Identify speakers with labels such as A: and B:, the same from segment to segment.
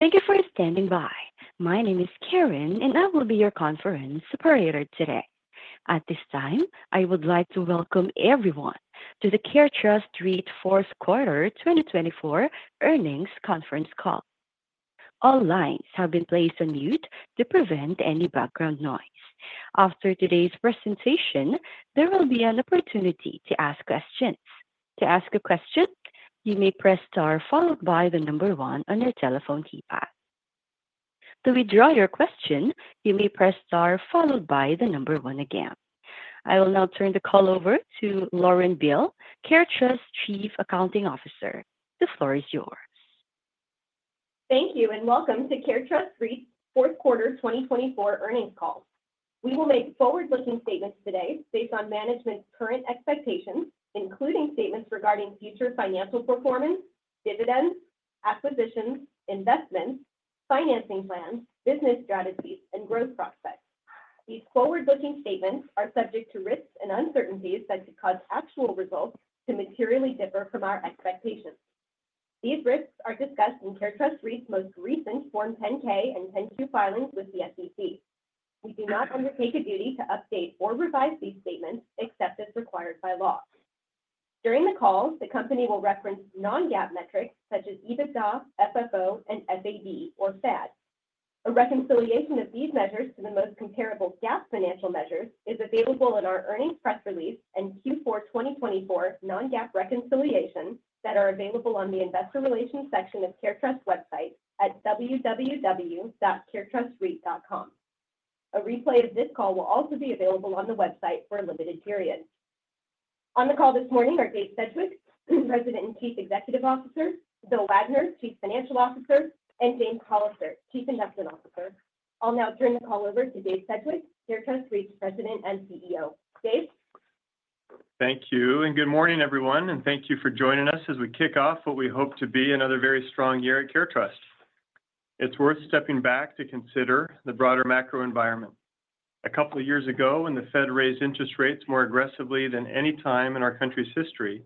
A: Thank you for standing by. My name is Karen, and I will be your conference operator today. At this time, I would like to welcome everyone to the CareTrust REIT Fourth Quarter 2024 earnings conference call. All lines have been placed on mute to prevent any background noise. After today's presentation, there will be an opportunity to ask questions. To ask a question, you may press star followed by the number one on your telephone keypad. To withdraw your question, you may press star followed by the number one again. I will now turn the call over to Lauren Beale, CareTrust Chief Accounting Officer. The floor is yours.
B: Thank you, and welcome to CareTrust REIT Fourth Quarter 2024 earnings call. We will make forward-looking statements today based on management's current expectations, including statements regarding future financial performance, dividends, acquisitions, investments, financing plans, business strategies, and growth prospects. These forward-looking statements are subject to risks and uncertainties that could cause actual results to materially differ from our expectations. These risks are discussed in CareTrust REIT's most recent Form 10K and 10Q filings with the SEC. We do not undertake a duty to update or revise these statements except as required by law. During the call, the company will reference non-GAAP metrics such as EBITDA, FFO, and FAD, or FADS. A reconciliation of these measures to the most comparable GAAP financial measures is available in our earnings press release and Q4 2024 non-GAAP reconciliation that are available on the investor relations section of CareTrust website at www.caretrustreit.com. A replay of this call will also be available on the website for a limited period. On the call this morning are Dave Sedgwick, President and Chief Executive Officer, Bill Wagner, Chief Financial Officer, and James Callister, Chief Investment Officer. I'll now turn the call over to Dave Sedgwick, CareTrust REIT's President and CEO. Dave?
C: Thank you, and good morning, everyone. And thank you for joining us as we kick off what we hope to be another very strong year at CareTrust. It's worth stepping back to consider the broader macro environment. A couple of years ago, when the Fed raised interest rates more aggressively than any time in our country's history,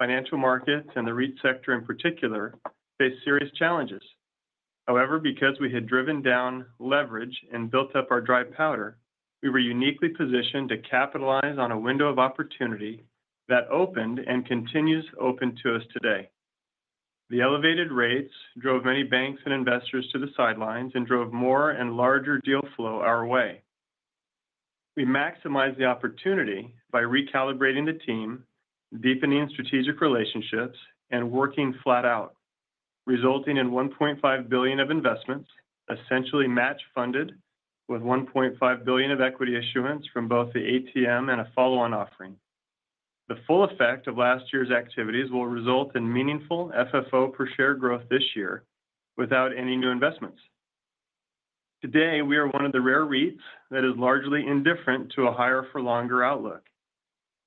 C: financial markets and the REIT sector in particular faced serious challenges. However, because we had driven down leverage and built up our dry powder, we were uniquely positioned to capitalize on a window of opportunity that opened and continues open to us today. The elevated rates drove many banks and investors to the sidelines and drove more and larger deal flow our way. We maximized the opportunity by recalibrating the team, deepening strategic relationships, and working flat out, resulting in $1.5 billion of investments essentially match-funded with $1.5 billion of equity issuance from both the ATM and a follow-on offering. The full effect of last year's activities will result in meaningful FFO per share growth this year without any new investments. Today, we are one of the rare REITs that is largely indifferent to a higher-for-longer outlook.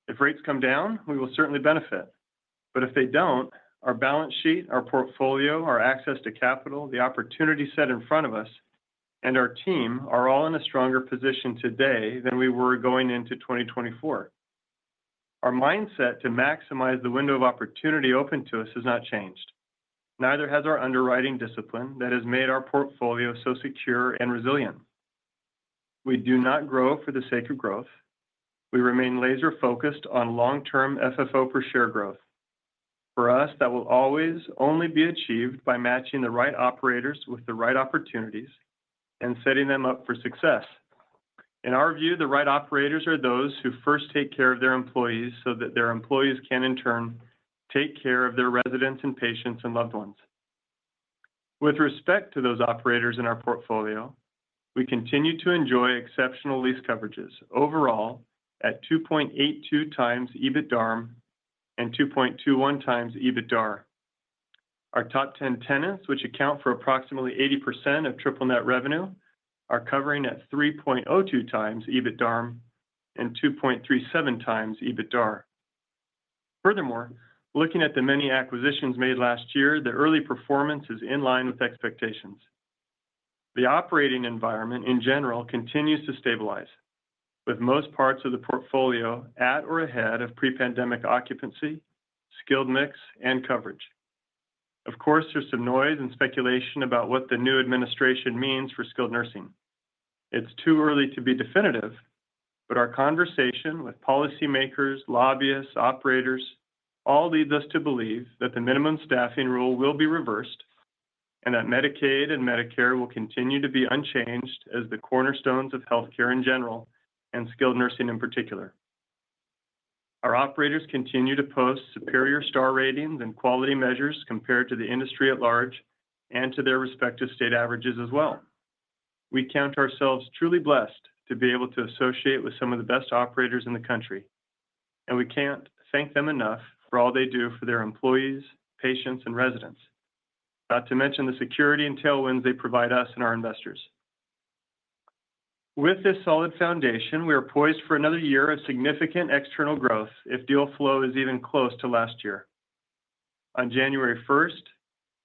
C: If rates come down, we will certainly benefit. But if they don't, our balance sheet, our portfolio, our access to capital, the opportunity set in front of us, and our team are all in a stronger position today than we were going into 2024. Our mindset to maximize the window of opportunity open to us has not changed. Neither has our underwriting discipline that has made our portfolio so secure and resilient. We do not grow for the sake of growth. We remain laser-focused on long-term FFO per share growth. For us, that will always only be achieved by matching the right operators with the right opportunities and setting them up for success. In our view, the right operators are those who first take care of their employees so that their employees can, in turn, take care of their residents and patients and loved ones. With respect to those operators in our portfolio, we continue to enjoy exceptional lease coverages overall at 2.82 times EBITDA and 2.21 times EBITDAR. Our top 10 tenants, which account for approximately 80% of triple-net revenue, are covering at 3.02 times EBITDA and 2.37 times EBITDA. Furthermore, looking at the many acquisitions made last year, the early performance is in line with expectations. The operating environment, in general, continues to stabilize, with most parts of the portfolio at or ahead of pre-pandemic occupancy, skilled mix, and coverage. Of course, there's some noise and speculation about what the new administration means for skilled nursing. It's too early to be definitive, but our conversation with policymakers, lobbyists, operators all leads us to believe that the minimum staffing rule will be reversed and that Medicaid and Medicare will continue to be unchanged as the cornerstones of healthcare in general and skilled nursing in particular. Our operators continue to post superior star ratings and quality measures compared to the industry at large and to their respective state averages as well. We count ourselves truly blessed to be able to associate with some of the best operators in the country, and we can't thank them enough for all they do for their employees, patients, and residents, not to mention the security and tailwinds they provide us and our investors. With this solid foundation, we are poised for another year of significant external growth if deal flow is even close to last year. On January 1st,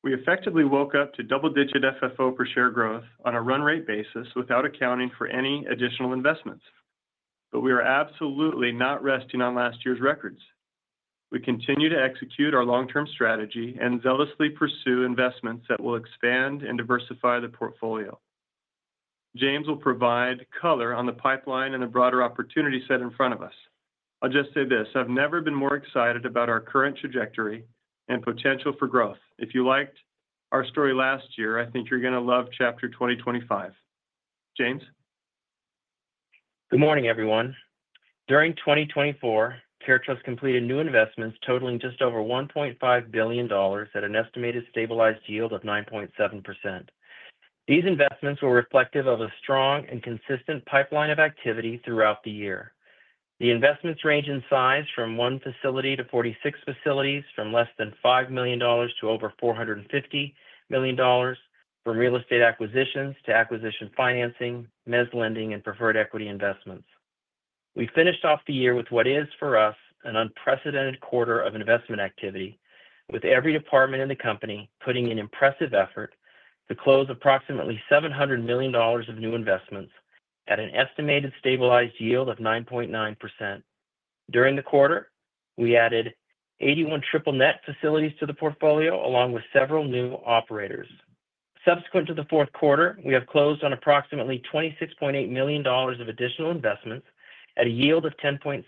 C: we effectively woke up to double-digit FFO per share growth on a run-rate basis without accounting for any additional investments. But we are absolutely not resting on last year's records. We continue to execute our long-term strategy and zealously pursue investments that will expand and diversify the portfolio. James will provide color on the pipeline and the broader opportunity set in front of us. I'll just say this: I've never been more excited about our current trajectory and potential for growth. If you liked our story last year, I think you're going to love Chapter 2025. James?
D: Good morning, everyone. During 2024, CareTrust completed new investments totaling just over $1.5 billion at an estimated stabilized yield of 9.7%. These investments were reflective of a strong and consistent pipeline of activity throughout the year. The investments range in size from one facility to 46 facilities, from less than $5 million to over $450 million, from real estate acquisitions to acquisition financing, mezz lending, and preferred equity investments. We finished off the year with what is, for us, an unprecedented quarter of investment activity, with every department in the company putting in impressive effort to close approximately $700 million of new investments at an estimated stabilized yield of 9.9%. During the quarter, we added 81 triple-net facilities to the portfolio along with several new operators. Subsequent to the fourth quarter, we have closed on approximately $26.8 million of additional investments at a yield of 10.6%.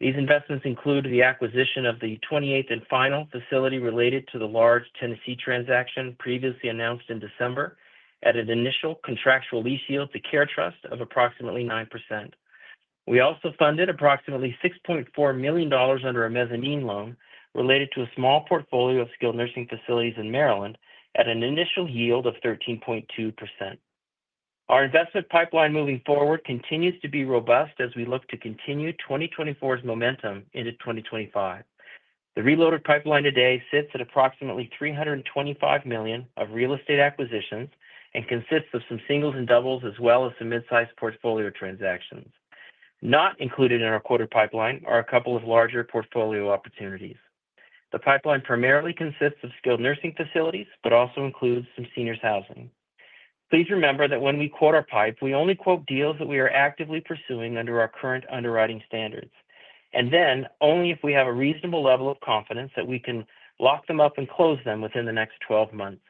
D: These investments include the acquisition of the 28th and final facility related to the large Tennessee transaction previously announced in December at an initial contractual lease yield to CareTrust of approximately 9%. We also funded approximately $6.4 million under a mezzanine loan related to a small portfolio of skilled nursing facilities in Maryland at an initial yield of 13.2%. Our investment pipeline moving forward continues to be robust as we look to continue 2024's momentum into 2025. The reloaded pipeline today sits at approximately $325 million of real estate acquisitions and consists of some singles and doubles as well as some mid-sized portfolio transactions. Not included in our quarter pipeline are a couple of larger portfolio opportunities. The pipeline primarily consists of skilled nursing facilities but also includes some seniors' housing. Please remember that when we quote our pipe, we only quote deals that we are actively pursuing under our current underwriting standards, and then only if we have a reasonable level of confidence that we can lock them up and close them within the next 12 months.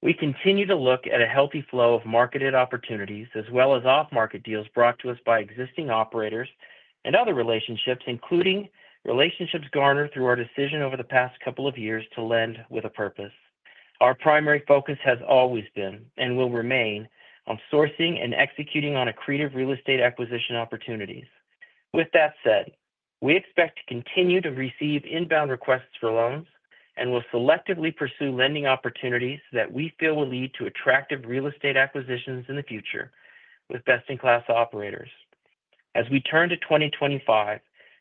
D: We continue to look at a healthy flow of marketed opportunities as well as off-market deals brought to us by existing operators and other relationships, including relationships garnered through our decision over the past couple of years to lend with a purpose. Our primary focus has always been and will remain on sourcing and executing on accretive real estate acquisition opportunities. With that said, we expect to continue to receive inbound requests for loans and will selectively pursue lending opportunities that we feel will lead to attractive real estate acquisitions in the future with best-in-class operators. As we turn to 2025,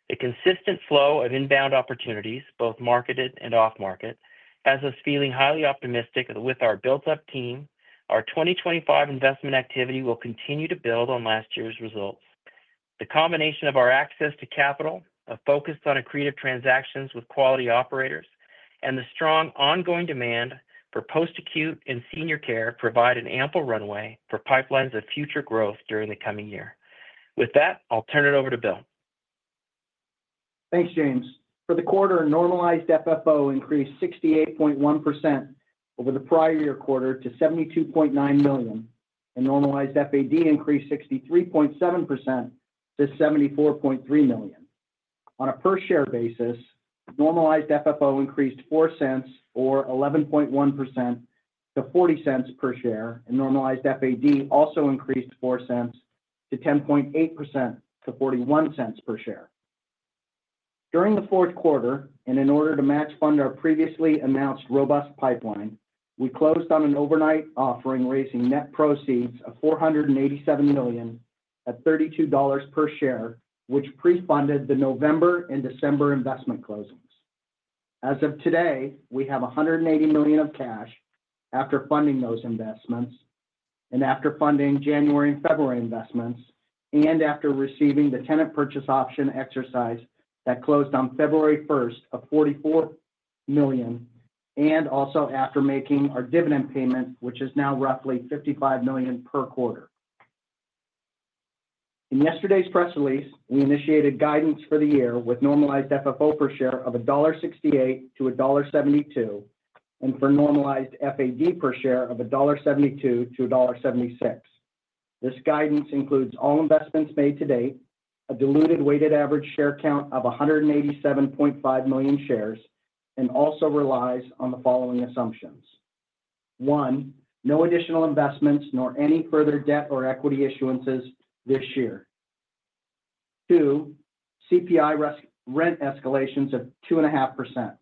D: the consistent flow of inbound opportunities, both marketed and off-market, has us feeling highly optimistic that with our built-up team, our 2025 investment activity will continue to build on last year's results. The combination of our access to capital, a focus on accretive transactions with quality operators, and the strong ongoing demand for post-acute and senior care provide an ample runway for pipelines of future growth during the coming year. With that, I'll turn it over to Bill.
E: Thanks, James. For the quarter, normalized FFO increased 68.1% over the prior year quarter to $72.9 million, and normalized FAD increased 63.7% to $74.3 million. On a per-share basis, normalized FFO increased $0.04 or 11.1% to $0.40 per share, and normalized FAD also increased $0.04 to 10.8% to $0.41 per share. During the fourth quarter, and in order to match fund our previously announced robust pipeline, we closed on an overnight offering raising net proceeds of $487 million at $32 per share, which pre-funded the November and December investment closings. As of today, we have $180 million of cash after funding those investments, and after funding January and February investments, and after receiving the tenant purchase option exercise that closed on February 1st of $44 million, and also after making our dividend payment, which is now roughly $55 million per quarter. In yesterday's press release, we initiated guidance for the year with normalized FFO per share of $1.68-$1.72 and for normalized FAD per share of $1.72-$1.76. This guidance includes all investments made to date, a diluted weighted average share count of 187.5 million shares, and also relies on the following assumptions: one, no additional investments nor any further debt or equity issuances this year; two, CPI rent escalations of 2.5%.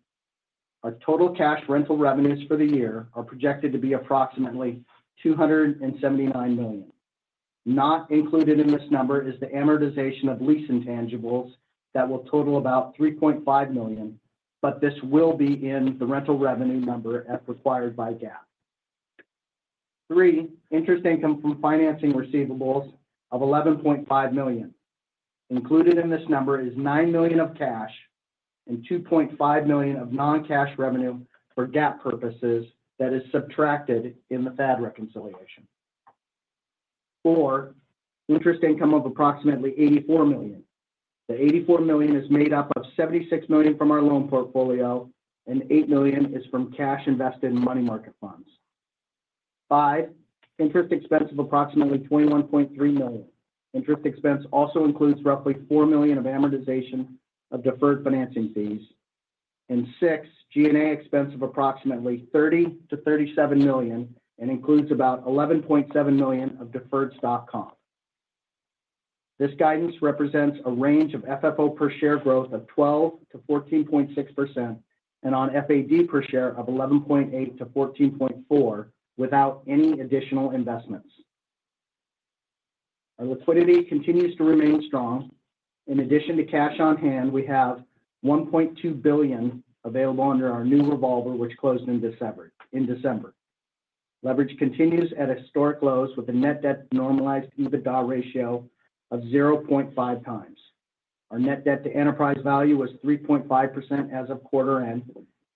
E: Our total cash rental revenues for the year are projected to be approximately $279 million. Not included in this number is the amortization of lease intangibles that will total about $3.5 million, but this will be in the rental revenue number as required by GAAP. Three, interest income from financing receivables of $11.5 million. Included in this number is $9 million of cash and $2.5 million of non-cash revenue for GAAP purposes that is subtracted in the FAD reconciliation. Four, interest income of approximately $84 million. The $84 million is made up of $76 million from our loan portfolio, and $8 million is from cash invested in money market funds. Five, interest expense of approximately $21.3 million. Interest expense also includes roughly $4 million of amortization of deferred financing fees. And six, G&A expense of approximately $30million-$37 million and includes about $11.7 million of deferred stock comp. This guidance represents a range of FFO per share growth of 12%-14.6% and on FAD per share of 11.8%-14.4% without any additional investments. Our liquidity continues to remain strong. In addition to cash on hand, we have $1.2 billion available under our new revolver, which closed in December. Leverage continues at historic lows with a net debt to normalized EBITDA ratio of 0.5 times. Our net debt to enterprise value was 3.5% as of quarter end,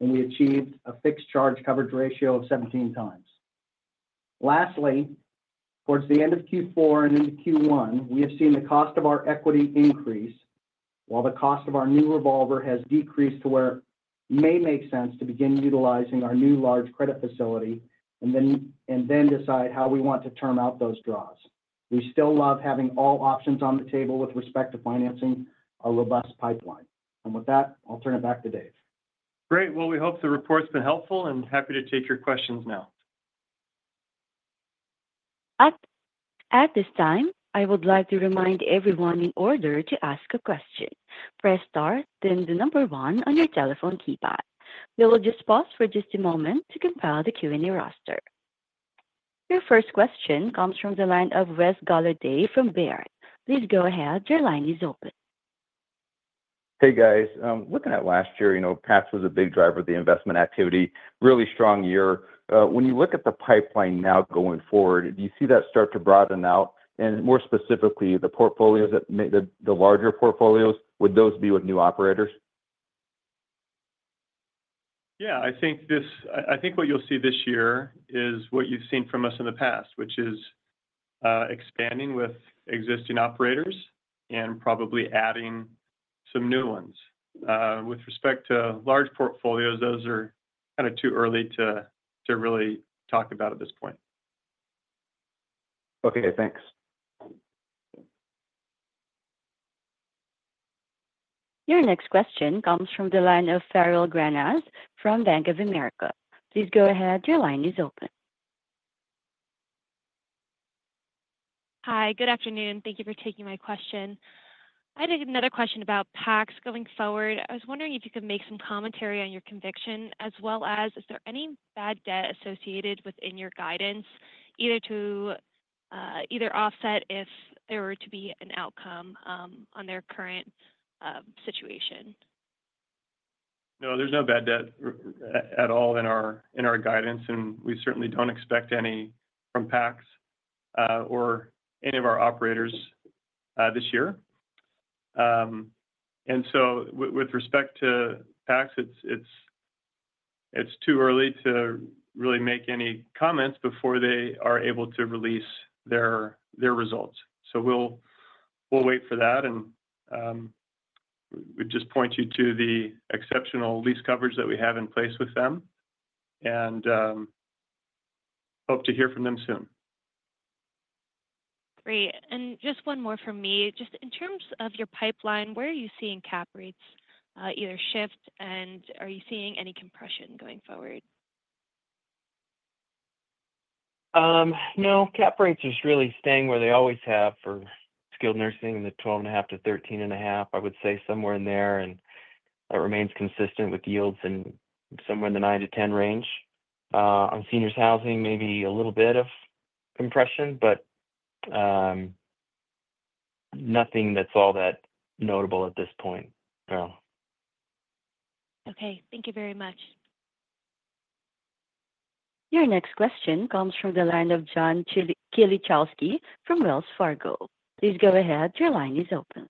E: and we achieved a fixed charge coverage ratio of 17 times. Lastly, towards the end of Q4 and into Q1, we have seen the cost of our equity increase while the cost of our new revolver has decreased to where it may make sense to begin utilizing our new large credit facility and then decide how we want to term out those draws. We still love having all options on the table with respect to financing our robust pipeline, and with that, I'll turn it back to Dave.
C: Great. Well, we hope the report's been helpful and happy to take your questions now.
A: At this time, I would like to remind everyone in order to ask a question, press Star, then the number one on your telephone keypad. We will just pause for just a moment to compile the Q&A roster. Your first question comes from the line of Wes Golladay from Baird. Please go ahead. Your line is open.
F: Hey, guys. Looking at last year, you know, PACS was a big driver of the investment activity. Really strong year. When you look at the pipeline now going forward, do you see that start to broaden out? And more specifically, the portfolios, the larger portfolios, would those be with new operators?
C: Yeah. I think what you'll see this year is what you've seen from us in the past, which is expanding with existing operators and probably adding some new ones. With respect to large portfolios, those are kind of too early to really talk about at this point.
F: Okay. Thanks.
A: Your next question comes from the line of Farrell Granath from Bank of America. Please go ahead. Your line is open.
G: Hi. Good afternoon. Thank you for taking my question. I had another question about PACS going forward. I was wondering if you could make some commentary on your conviction as well as is there any bad debt associated within your guidance either to offset if there were to be an outcome on their current situation?
C: No, there's no bad debt at all in our guidance, and we certainly don't expect any from PACS or any of our operators this year. And so with respect to PACS, it's too early to really make any comments before they are able to release their results. So we'll wait for that, and we just point you to the exceptional lease coverage that we have in place with them and hope to hear from them soon.
G: Great, and just one more from me. Just in terms of your pipeline, where are you seeing Cap rates either shift, and are you seeing any compression going forward?
D: No. Cap rates are really staying where they always have for skilled nursing in the 12.5%-13.5%. I would say somewhere in there, and that remains consistent with yields in somewhere in the 9%-10% range. On seniors' housing, maybe a little bit of compression, but nothing that's all that notable at this point. No.
G: Okay. Thank you very much.
A: Your next question comes from the line of John Kilichowski from Wells Fargo. Please go ahead. Your line is open.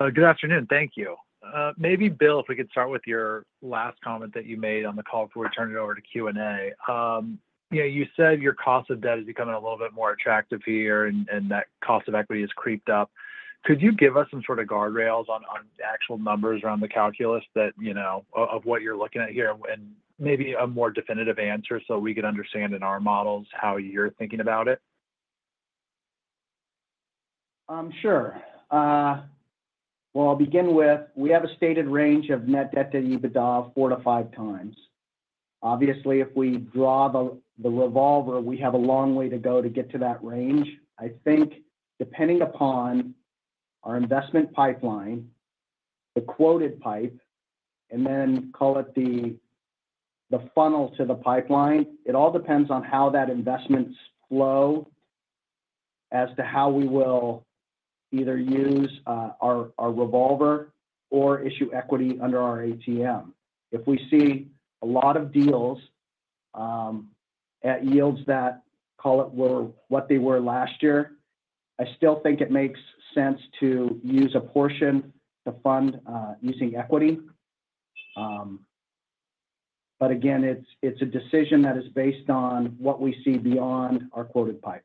H: Good afternoon. Thank you. Maybe, Bill, if we could start with your last comment that you made on the call before we turn it over to Q&A. You said your cost of debt is becoming a little bit more attractive here and that cost of equity has creeped up. Could you give us some sort of guardrails on actual numbers around the calculus of what you're looking at here and maybe a more definitive answer so we can understand in our models how you're thinking about it?
E: Sure. Well, I'll begin with we have a stated range of net debt to EBITDA of four to five times. Obviously, if we draw the revolver, we have a long way to go to get to that range. I think depending upon our investment pipeline, the quoted pipe, and then call it the funnel to the pipeline, it all depends on how that investment's flow as to how we will either use our revolver or issue equity under our ATM. If we see a lot of deals at yields that, call it, were what they were last year, I still think it makes sense to use a portion to fund using equity. But again, it's a decision that is based on what we see beyond our quoted pipe.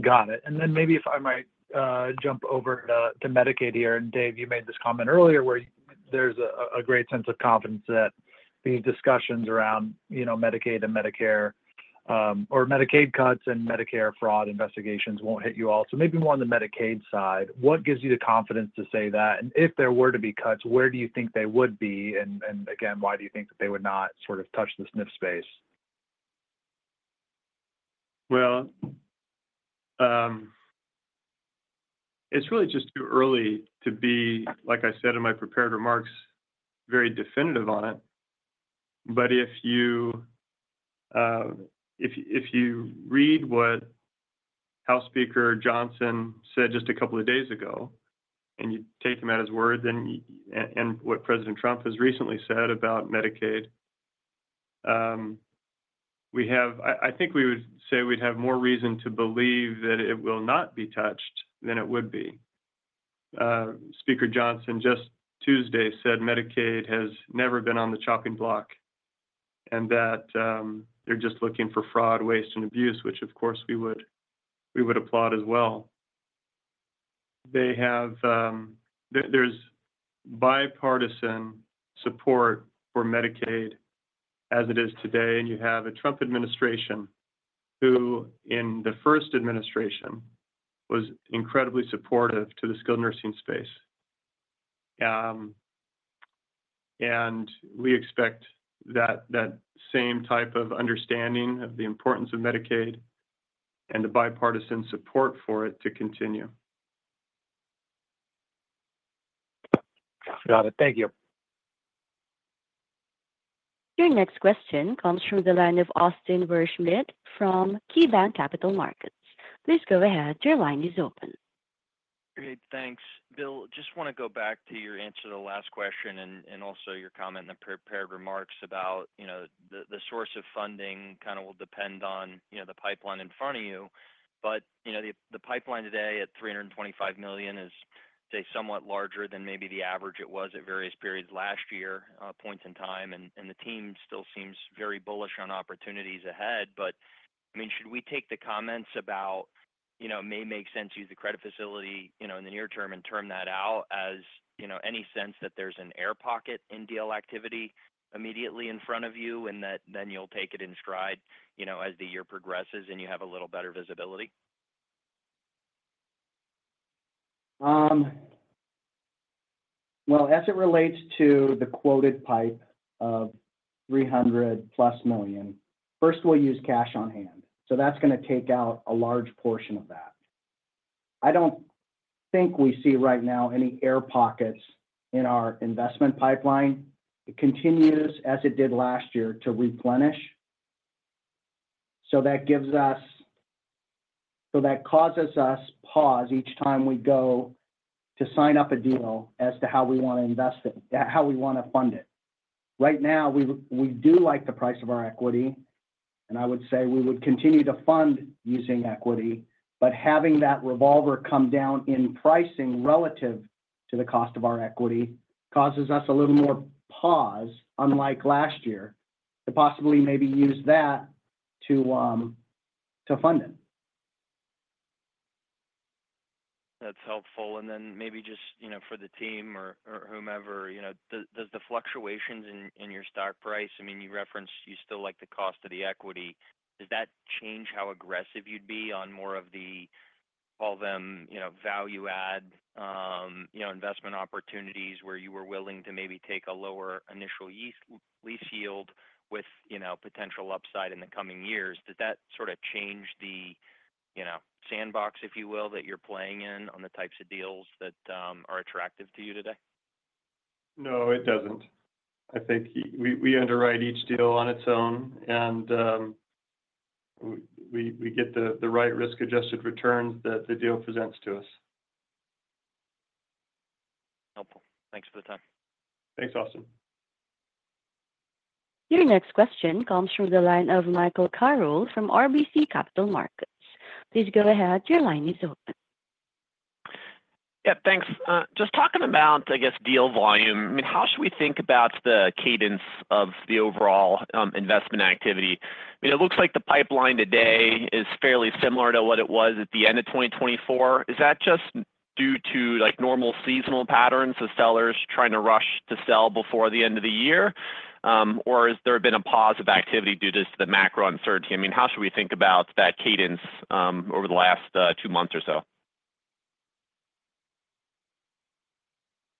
H: Got it. And then maybe if I might jump over to Medicaid here. And Dave, you made this comment earlier where there's a great sense of confidence that these discussions around Medicaid and Medicare or Medicaid cuts and Medicare fraud investigations won't hit you all. So maybe more on the Medicaid side. What gives you the confidence to say that? And if there were to be cuts, where do you think they would be? And again, why do you think that they would not sort of touch the SNF space?
C: It's really just too early to be, like I said in my prepared remarks, very definitive on it. But if you read what House Speaker Johnson said just a couple of days ago and you take him at his word and what President Trump has recently said about Medicaid, we have I think we would say we'd have more reason to believe that it will not be touched than it would be. Speaker Johnson just Tuesday said Medicaid has never been on the chopping block and that they're just looking for fraud, waste, and abuse, which, of course, we would applaud as well. There's bipartisan support for Medicaid as it is today, and you have a Trump administration who in the first administration was incredibly supportive to the skilled nursing space. We expect that same type of understanding of the importance of Medicaid and the bipartisan support for it to continue.
H: Got it. Thank you.
A: Your next question comes from the line of Austin Wurschmidt from KeyBanc Capital Markets. Please go ahead. Your line is open.
I: Great. Thanks. Bill, just want to go back to your answer to the last question and also your comment in the prepared remarks about the source of funding kind of will depend on the pipeline in front of you. But the pipeline today at $325 million is, say, somewhat larger than maybe the average it was at various periods last year, points in time. And the team still seems very bullish on opportunities ahead. But I mean, should we take the comments about it may make sense to use the credit facility in the near term and term that out as any sense that there's an air pocket in deal activity immediately in front of you and that then you'll take it in stride as the year progresses and you have a little better visibility?
E: As it relates to the quoted pipe of $300-plus million, first, we'll use cash on hand. So that's going to take out a large portion of that. I don't think we see right now any air pockets in our investment pipeline. It continues as it did last year to replenish. So that causes us pause each time we go to sign up a deal as to how we want to invest it, how we want to fund it. Right now, we do like the price of our equity, and I would say we would continue to fund using equity. But having that revolver come down in pricing relative to the cost of our equity causes us a little more pause, unlike last year, to possibly maybe use that to fund it.
I: That's helpful. And then maybe just for the team or whomever, does the fluctuations in your stock price, I mean, you referenced you still like the cost of the equity, change how aggressive you'd be on more of the, call them, value-add investment opportunities where you were willing to maybe take a lower initial lease yield with potential upside in the coming years? Does that sort of change the sandbox, if you will, that you're playing in on the types of deals that are attractive to you today?
C: No, it doesn't. I think we underwrite each deal on its own, and we get the right risk-adjusted returns that the deal presents to us.
I: Helpful. Thanks for the time.
C: Thanks, Austin.
A: Your next question comes from the line of Michael Carroll from RBC Capital Markets. Please go ahead. Your line is open.
J: Yeah. Thanks. Just talking about, I guess, deal volume, I mean, how should we think about the cadence of the overall investment activity? I mean, it looks like the pipeline today is fairly similar to what it was at the end of 2024. Is that just due to normal seasonal patterns of sellers trying to rush to sell before the end of the year, or has there been a pause of activity due to the macro uncertainty? I mean, how should we think about that cadence over the last two months or so?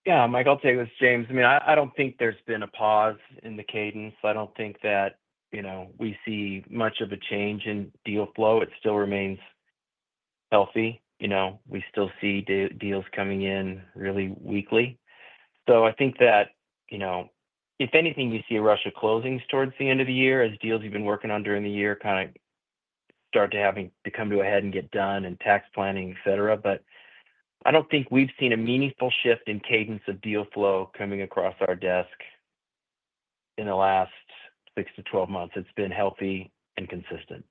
D: Yeah. Michael, take it with James. I mean, I don't think there's been a pause in the cadence. I don't think that we see much of a change in deal flow. It still remains healthy. We still see deals coming in really weekly. So I think that if anything, you see a rush of closings towards the end of the year as deals you've been working on during the year kind of start to come to a head and get done and tax planning, etc. But I don't think we've seen a meaningful shift in cadence of deal flow coming across our desk in the last 6-12 months. It's been healthy and consistent.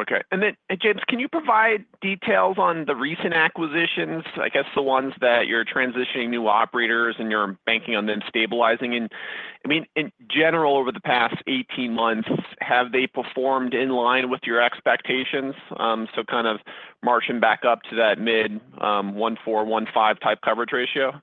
J: Okay. And then, James, can you provide details on the recent acquisitions, I guess, the ones that you're transitioning new operators and you're banking on them stabilizing? And I mean, in general, over the past 18 months, have they performed in line with your expectations, so kind of marching back up to that mid 1.4-1.5 type coverage ratio?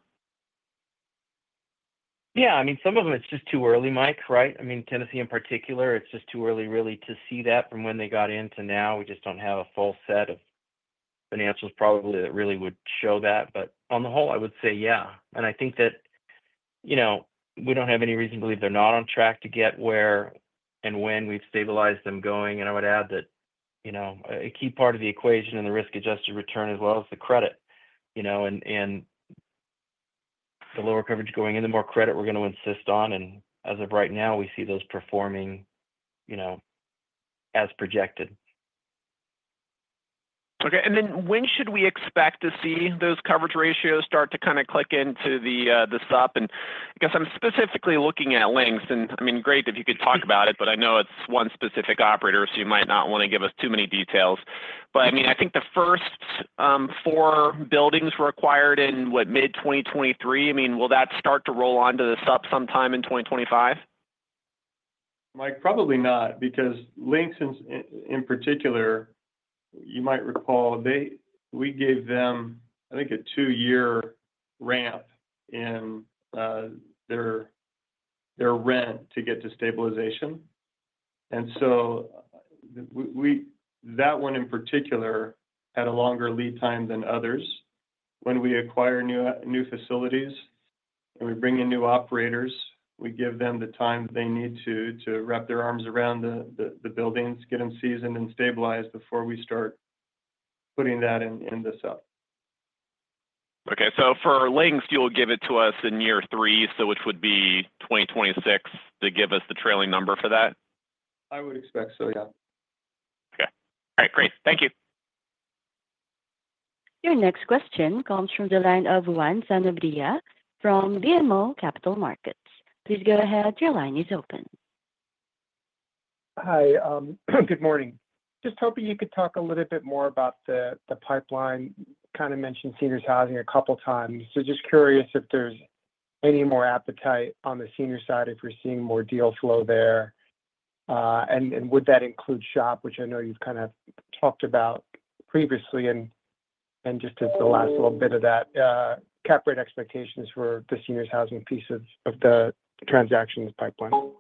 D: Yeah. I mean, some of them, it's just too early, Mike, right? I mean, Tennessee in particular, it's just too early really to see that from when they got into now. We just don't have a full set of financials probably that really would show that. But on the whole, I would say, yeah. And I think that we don't have any reason to believe they're not on track to get where and when we've stabilized them going. And I would add that a key part of the equation and the risk-adjusted return as well as the credit and the lower coverage going in, the more credit we're going to insist on. And as of right now, we see those performing as projected.
J: Okay. And then when should we expect to see those coverage ratios start to kind of click into the SHOP? And I guess I'm specifically looking at Lynx. And I mean, great if you could talk about it, but I know it's one specific operator, so you might not want to give us too many details. But I mean, I think the first four buildings were acquired in, what, mid-2023. I mean, will that start to roll onto the SHOP sometime in 2025?
C: Mike, probably not because Lynx in particular, you might recall, we gave them, I think, a two-year ramp in their rent to get to stabilization. And so that one in particular had a longer lead time than others. When we acquire new facilities and we bring in new operators, we give them the time that they need to wrap their arms around the buildings, get them seasoned and stabilized before we start putting that in the SUP.
J: Okay, so for Lynx, you'll give it to us in year three, so which would be 2026, to give us the trailing number for that?
C: I would expect so, yeah.
J: Okay. All right. Great. Thank you.
A: Your next question comes from the line of Juan Sanabria from BMO Capital Markets. Please go ahead. Your line is open.
K: Hi. Good morning. Just hoping you could talk a little bit more about the pipeline. Kind of mentioned seniors' housing a couple of times. So just curious if there's any more appetite on the senior side, if you're seeing more deal flow there. And would that include shop, which I know you've kind of talked about previously and just as the last little bit of that, cap rate expectations for the seniors' housing piece of the transaction pipeline?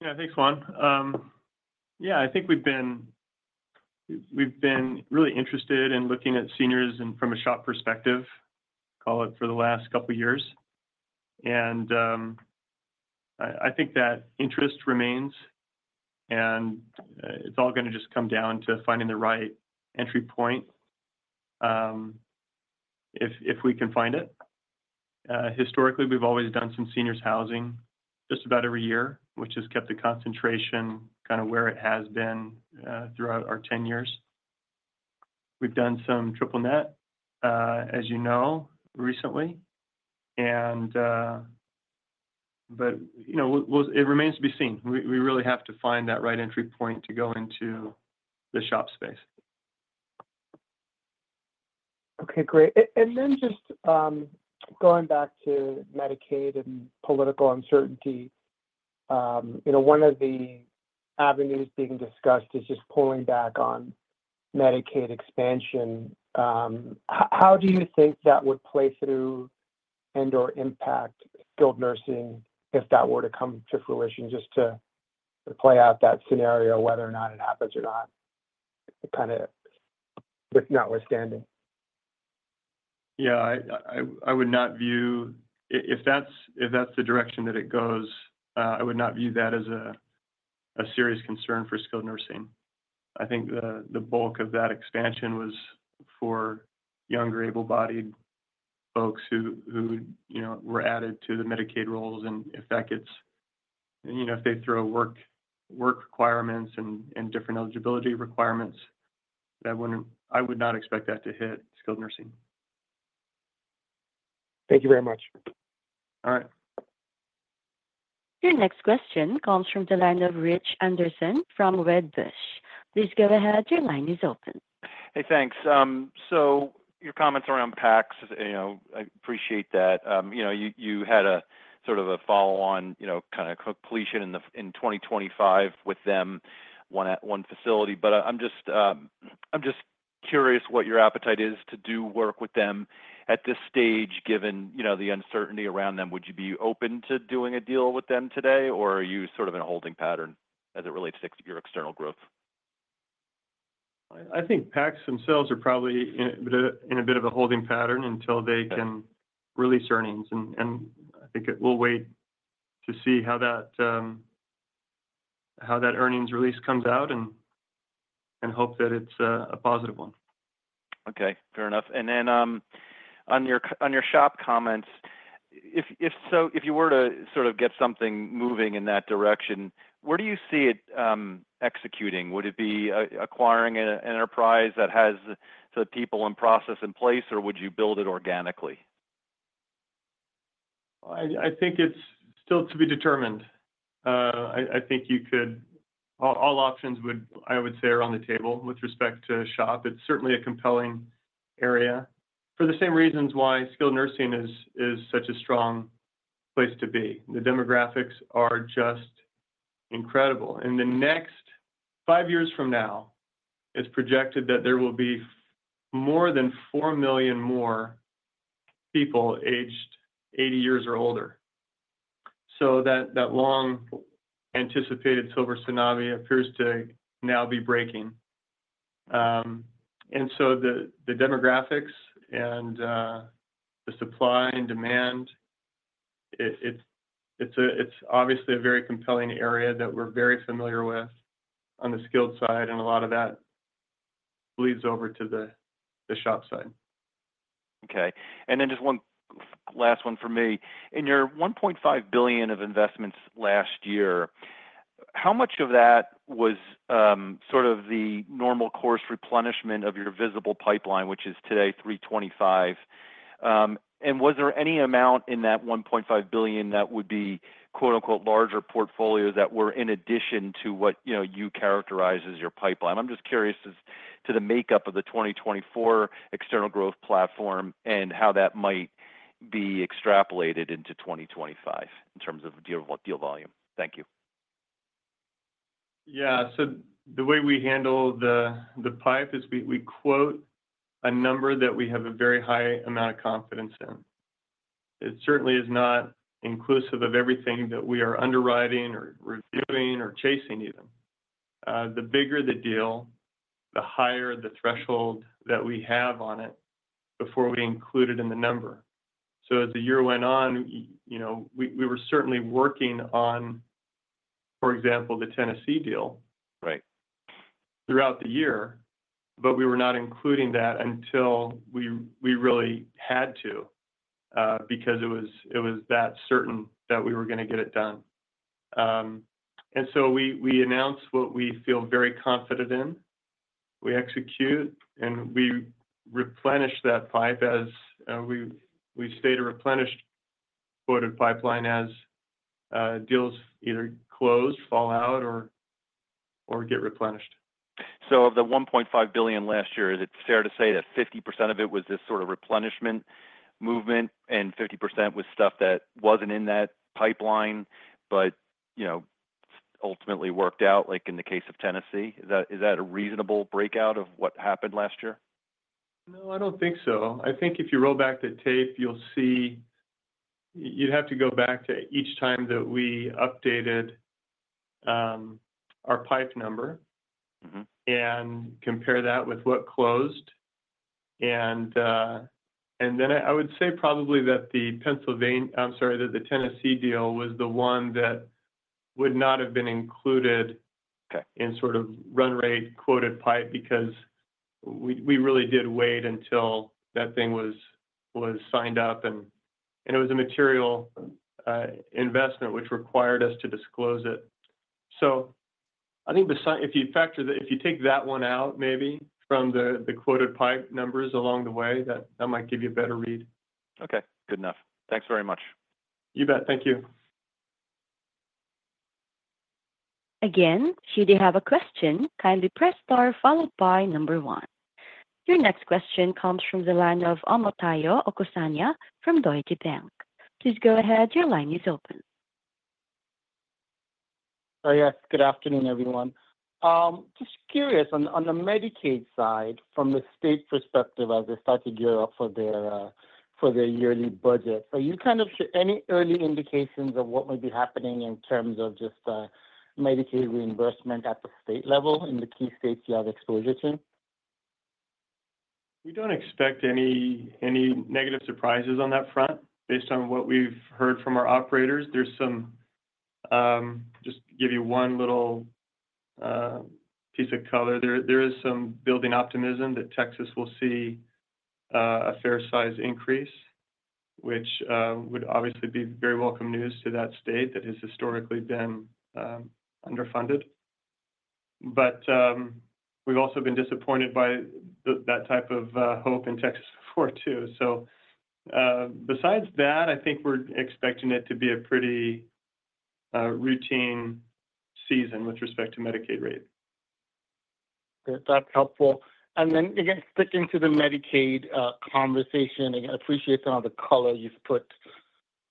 C: Yeah. Thanks, Juan. Yeah. I think we've been really interested in looking at seniors from a shop perspective, call it, for the last couple of years, and I think that interest remains, and it's all going to just come down to finding the right entry point if we can find it. Historically, we've always done some seniors' housing just about every year, which has kept the concentration kind of where it has been throughout our 10 years. We've done some triple-net, as you know, recently, but it remains to be seen. We really have to find that right entry point to go into the SHOP space.
K: Okay. Great, and then just going back to Medicaid and political uncertainty, one of the avenues being discussed is just pulling back on Medicaid expansion. How do you think that would play through and/or impact skilled nursing if that were to come to fruition, just to play out that scenario, whether or not it happens or not, kind of with notwithstanding?
C: Yeah. I would not view if that's the direction that it goes, I would not view that as a serious concern for skilled nursing. I think the bulk of that expansion was for younger, able-bodied folks who were added to the Medicaid rolls. And if they throw work requirements and different eligibility requirements, I would not expect that to hit skilled nursing.
K: Thank you very much.
C: All right.
A: Your next question comes from the line of Rich Anderson from Wedbush. Please go ahead. Your line is open.
L: Hey, thanks. So your comments around PACS, I appreciate that. You had a sort of a follow-on kind of completion in 2025 with them at one facility. But I'm just curious what your appetite is to do work with them at this stage, given the uncertainty around them. Would you be open to doing a deal with them today, or are you sort of in a holding pattern as it relates to your external growth?
C: I think PACS themselves are probably in a bit of a holding pattern until they can release earnings. And I think we'll wait to see how that earnings release comes out and hope that it's a positive one.
L: Okay. Fair enough. And then on your SHOP comments, if you were to sort of get something moving in that direction, where do you see it executing? Would it be acquiring an enterprise that has the people and process in place, or would you build it organically?
C: I think it's still to be determined. I think all options, I would say, are on the table with respect to SHOP. It's certainly a compelling area for the same reasons why skilled nursing is such a strong place to be. The demographics are just incredible, and the next five years from now, it's projected that there will be more than four million more people aged 80 years or older, so that long-anticipated silver tsunami appears to now be breaking, and so the demographics and the supply and demand, it's obviously a very compelling area that we're very familiar with on the skilled side, and a lot of that bleeds over to the SHOP side.
L: Okay. And then just one last one for me. In your $1.5 billion of investments last year, how much of that was sort of the normal course replenishment of your visible pipeline, which is today $325? And was there any amount in that $1.5 billion that would be "larger portfolios" that were in addition to what you characterize as your pipeline? I'm just curious as to the makeup of the 2024 external growth platform and how that might be extrapolated into 2025 in terms of deal volume. Thank you.
C: Yeah. So the way we handle the pipe is we quote a number that we have a very high amount of confidence in. It certainly is not inclusive of everything that we are underwriting or reviewing or chasing even. The bigger the deal, the higher the threshold that we have on it before we include it in the number. So as the year went on, we were certainly working on, for example, the Tennessee deal throughout the year, but we were not including that until we really had to because it was that certain that we were going to get it done. And so we announce what we feel very confident in. We execute, and we replenish that pipe as we stay to replenish, quoted pipeline as deals either close, fall out, or get replenished.
L: Of the $1.5 billion last year, is it fair to say that 50% of it was this sort of replenishment movement and 50% was stuff that wasn't in that pipeline but ultimately worked out, like in the case of Tennessee? Is that a reasonable breakout of what happened last year?
C: No, I don't think so. I think if you roll back the tape, you'll see you'd have to go back to each time that we updated our pipe number and compare that with what closed. And then I would say probably that the Pennsylvania, I'm sorry, that the Tennessee deal was the one that would not have been included in sort of run rate quoted pipe because we really did wait until that thing was signed up. And it was a material investment, which required us to disclose it. So I think if you take that one out maybe from the quoted pipe numbers along the way, that might give you a better read.
L: Okay. Good enough. Thanks very much.
C: You bet. Thank you.
A: Again, if you do have a question, kindly press star followed by number one. Your next question comes from the line of Omotayo Okusanya from Deutsche Bank. Please go ahead. Your line is open.
M: Hi, yes. Good afternoon, everyone. Just curious, on the Medicaid side, from the state perspective, as they start to gear up for their yearly budget, are you kind of any early indications of what might be happening in terms of just Medicaid reimbursement at the state level in the key states you have exposure to?
C: We don't expect any negative surprises on that front. Based on what we've heard from our operators, there's some, just to give you one little piece of color, there is some building optimism that Texas will see a fair-sized increase, which would obviously be very welcome news to that state that has historically been underfunded. But we've also been disappointed by that type of hope in Texas before, too. So besides that, I think we're expecting it to be a pretty routine season with respect to Medicaid rate.
M: That's helpful, and then again, sticking to the Medicaid conversation, I appreciate some of the color you've put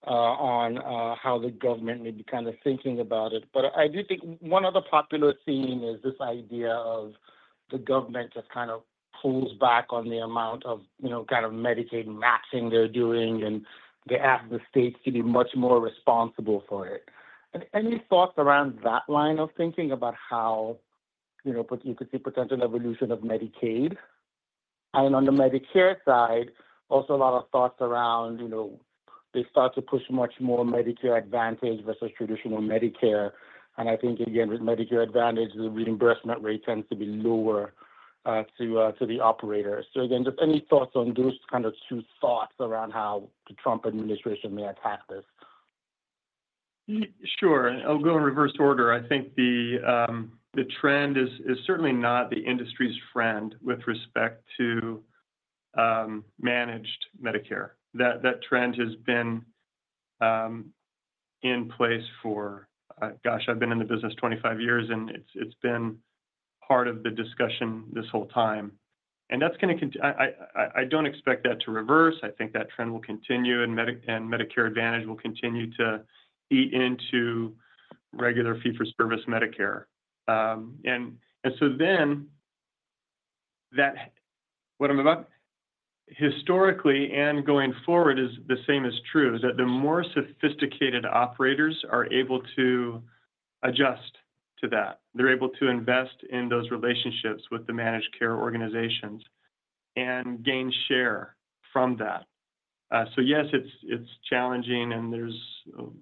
M: on how the government may be kind of thinking about it. But I do think one other popular theme is this idea of the government just kind of pulls back on the amount of kind of Medicaid matching they're doing, and they ask the states to be much more responsible for it. Any thoughts around that line of thinking about how you could see potential evolution of Medicaid? And on the Medicare side, also a lot of thoughts around they start to push much more Medicare Advantage versus traditional Medicare. And I think, again, with Medicare Advantage, the reimbursement rate tends to be lower to the operators. So again, just any thoughts on those kind of two thoughts around how the Trump administration may attack this?
C: Sure. I'll go in reverse order. I think the trend is certainly not the industry's friend with respect to Managed Medicare. That trend has been in place for, gosh, I've been in the business 25 years, and it's been part of the discussion this whole time. And that's going to, I don't expect that to reverse. I think that trend will continue, and Medicare Advantage will continue to eat into regular fee-for-service Medicare. And so then what I'm about historically and going forward is the same as true, is that the more sophisticated operators are able to adjust to that. They're able to invest in those relationships with the managed care organizations and gain share from that. So yes, it's challenging, and there's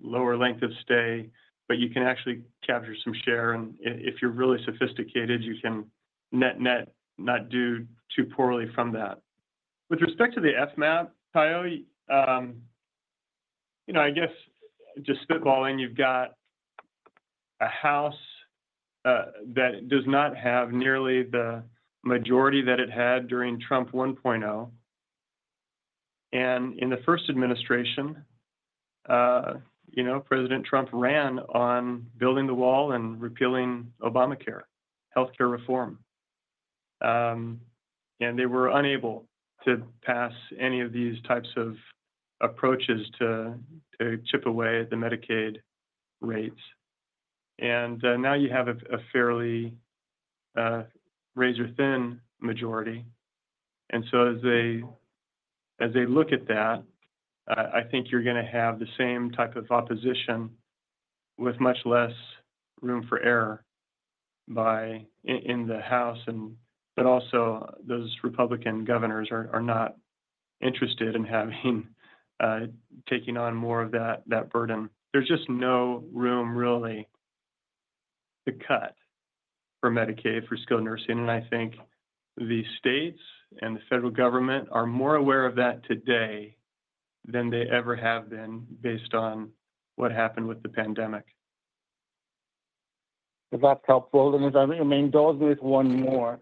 C: lower length of stay, but you can actually capture some share. And if you're really sophisticated, you can net-net not do too poorly from that. With respect to the FMAP, Tayo, I guess just spitballing, you've got a House that does not have nearly the majority that it had during Trump 1.0. And in the first administration, President Trump ran on building the wall and repealing Obamacare, healthcare reform. And they were unable to pass any of these types of approaches to chip away at the Medicaid rates. And now you have a fairly razor-thin majority. And so as they look at that, I think you're going to have the same type of opposition with much less room for error in the House. But also, those Republican governors are not interested in taking on more of that burden. There's just no room really to cut for Medicaid for skilled nursing. I think the states and the federal government are more aware of that today than they ever have been based on what happened with the pandemic.
M: That's helpful. And as I'm rearranging those with one more,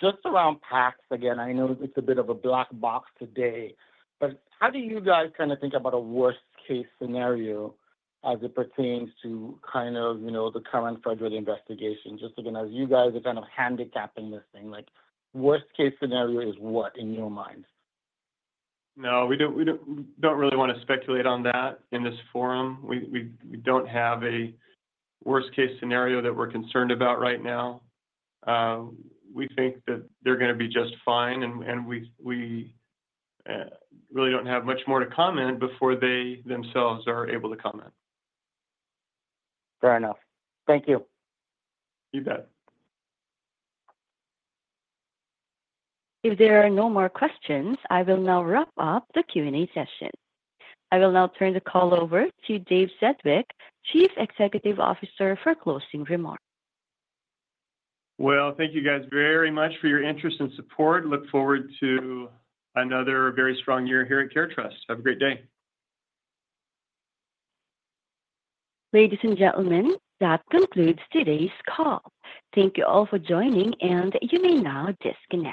M: just around PACS again, I know it's a bit of a black box today, but how do you guys kind of think about a worst-case scenario as it pertains to kind of the current federal investigation? Just again, as you guys are kind of handicapping this thing, worst-case scenario is what in your mind?
C: No, we don't really want to speculate on that in this forum. We don't have a worst-case scenario that we're concerned about right now. We think that they're going to be just fine, and we really don't have much more to comment before they themselves are able to comment.
M: Fair enough. Thank you.
C: You bet.
A: If there are no more questions, I will now wrap up the Q&A session. I will now turn the call over to Dave Sedgwick, Chief Executive Officer for closing remarks.
C: Well, thank you guys very much for your interest and support. Look forward to another very strong year here at CareTrust. Have a great day.
A: Ladies and gentlemen, that concludes today's call. Thank you all for joining, and you may now disconnect.